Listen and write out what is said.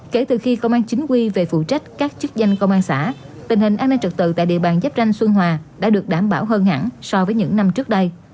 kể từ khi công an chính quy về phụ trách các chức danh công an xã tình hình an ninh trật tự tại địa bàn giáp tranh xuân hòa đã được đảm bảo hơn hẳn so với những năm trước đây